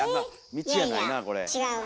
道やないなあこれ。